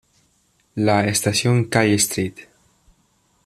La estación Calle St.